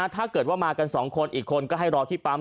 ถ้าเกิดว่ามากัน๒คนอีกคนก็ให้รอที่ปั๊ม